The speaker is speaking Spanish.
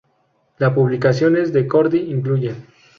La publicaciones de Cordy incluyen